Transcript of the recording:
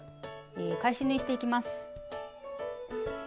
え返し縫いしていきます。